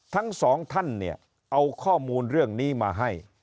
ทั้งสองท่านเนี่ยเอาข้อมูลเรื่องนี้มาให้